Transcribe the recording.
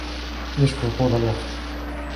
يشكو طول الوقت.